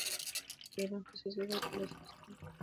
د ایران خصوصي سکتور له ستونزو سره مخ دی.